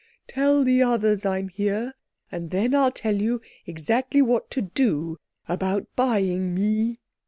"Tell the others I'm here, and then I'll tell you exactly what to do about buying me."